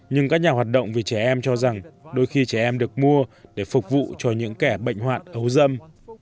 nhưng các nhà hoạt động vì trẻ em cho rằng đôi khi trẻ em được mua để phục vụ cho những kẻ bệnh hoạn ấu dâm